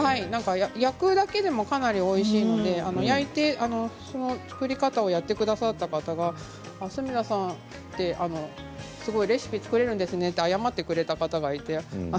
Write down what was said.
焼くだけでもかなりおいしいので、焼いてその作り方をやってくださった方が角田さんてレシピ作れるんですね謝ってくれた方がいて。